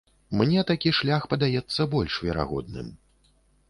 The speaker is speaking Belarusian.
Мне такі шлях падаецца больш верагодным.